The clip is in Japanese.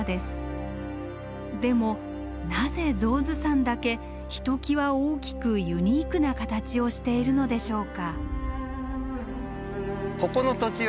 でもなぜ象頭山だけひときわ大きくユニークな形をしているのでしょうか。